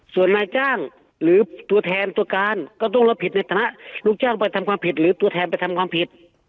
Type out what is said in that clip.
ส่วนนายจ้างหรือตัวแทนตัวการก็ต้องรับผิดในฐานะลูกจ้างไปทำความผิดหรือตัวแทนไปทำความผิด